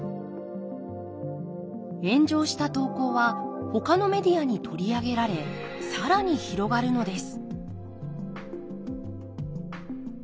炎上した投稿はほかのメディアに取り上げられ更に広がるのです。